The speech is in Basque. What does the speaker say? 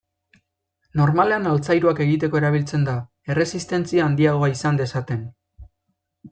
Normalean altzairuak egiteko erabiltzen da, erresistentzia handiagoa izan dezaten.